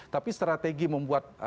tapi strategi membuat